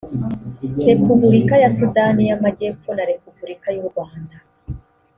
repubulika ya sudani y amajyepfo na repubulika y u rwanda